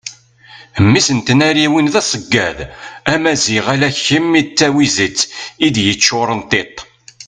mmi-s n tnariwin d aseggad amaziɣ ala kem a tawizet i d-yeččuren tiṭ